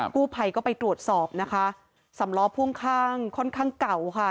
กู้ภัยก็ไปตรวจสอบนะคะสำล้อพ่วงข้างค่อนข้างเก่าค่ะ